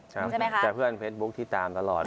ใช่ไหมคะแต่เพื่อนเฟซบุ๊กติดตามตลอด